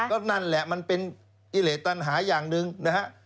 ก็นั่นแหละมันเป็นอิเลสตันหาอย่างหนึ่งนะฮะ